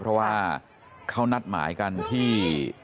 เพราะว่าเขานัดหมายกันที่